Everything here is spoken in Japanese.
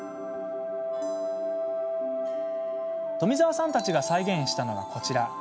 富澤さんたちが再現したのがこちら。